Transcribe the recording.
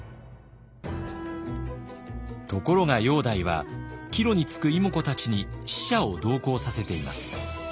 ところが煬帝は帰路につく妹子たちに使者を同行させています。